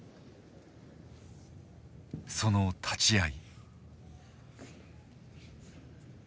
その立ち合い。